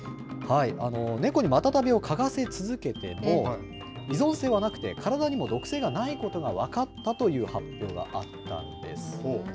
猫にマタタビを嗅がせ続けても、依存性はなくて、体にも毒性がないことが分かったという発表があったんです。